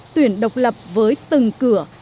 tuyển độc lập với từng cửa